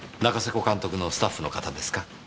古監督のスタッフの方ですか？